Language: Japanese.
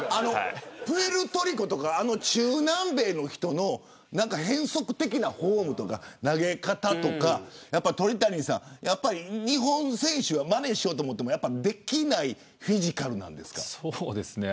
プエルトリコとか中南米の人の変則的なフォームとか投げ方とか、鳥谷さん日本選手はまねしようと思ってもできないフィジカルなんですか。